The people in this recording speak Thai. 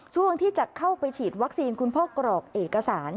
ช่วงที่จะเข้าไปฉีดวัคซีนคุณพ่อกรอกเอกสาร